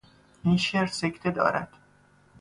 این شعر سکته دارد.